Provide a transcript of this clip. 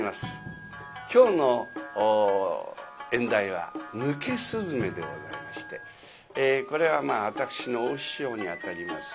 今日の演題は「抜け雀」でございましてこれはまあ私の大師匠にあたります